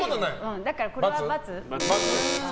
だから、これは×。